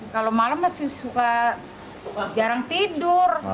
kalau malam masih suka jarang tidur